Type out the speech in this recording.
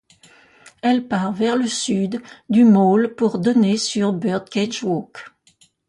Elle part, vers le sud, du Mall pour donner sur Birdcage Walk.